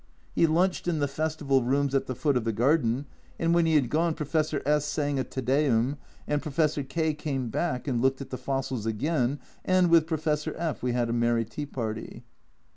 He lunched in the festival rooms at the foot of the garden, and when he had gone Professor S sang a Te Deum, and Professor K came back and looked at the fossils again, and with Professor F we had a merry tea party.